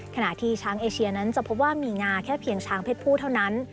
ขณะที่ช้างเอเชียนั้นจะพบว่ามีงาแค่เพียงช้างเพศผู้เท่านั้น